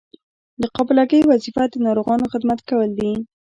د قابله ګۍ وظیفه د ناروغانو خدمت کول دي.